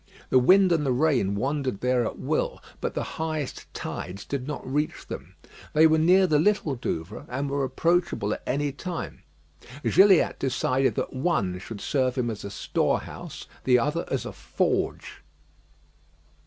The wind and the rain wandered there at will, but the highest tides did not reach them. They were near the Little Douvre, and were approachable at any time. Gilliatt decided that one should serve him as a storehouse, the other as a forge.